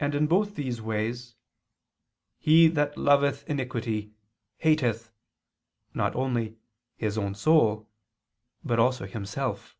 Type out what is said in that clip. And in both these ways, "he that loveth iniquity hateth" not only "his own soul," but also himself.